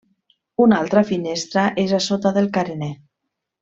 Una altra finestra és a sota del carener.